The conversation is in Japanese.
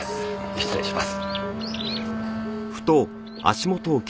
失礼します。